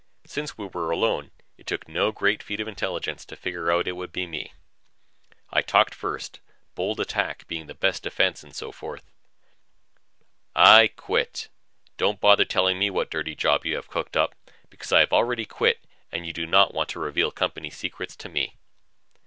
Since we were alone, it took no great feat of intelligence to figure it would be me. I talked first, bold attack being the best defense and so forth. "I quit. Don't bother telling me what dirty job you have cooked up, because I have already quit and you do not want to reveal company secrets to me."